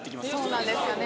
そうなんですかね。